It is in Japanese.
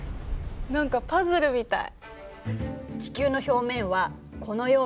何かパズルみたい。